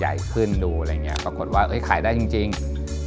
เรียกว่าเป็นงานเสริมดีกว่าเพราะว่าถามว่ามันทำเงินเท่าไปร้องเพลงหรือเปล่าก็ไม่ใช่